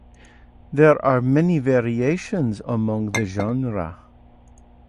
There are many variations among the genera.